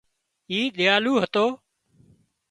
اي ۮياۯو هتو